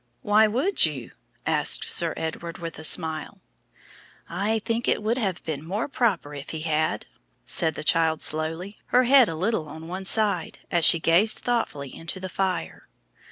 "Why would you?" asked Sir Edward, with a smile. "I think it would have been more proper if he had," said the child slowly, her head a little on one side, as she gazed thoughtfully into the fire.